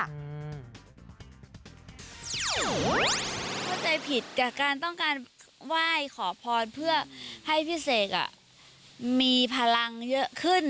เข้าใจผิดจากการต้องการไหว้ขอพรเพื่อให้พี่เสกมีพลังเยอะขึ้น